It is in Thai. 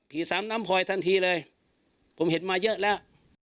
สามน้ำพลอยทันทีเลยผมเห็นมาเยอะแล้ว